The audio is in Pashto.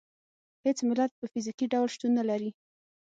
هېڅ ملت په فزیکي ډول شتون نه لري.